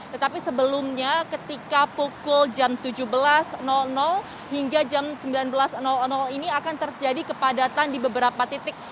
tetapi sebelumnya ketika pukul jam tujuh belas hingga jam sembilan belas ini akan terjadi kepadatan di beberapa titik